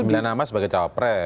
sembilan nama sebagai capres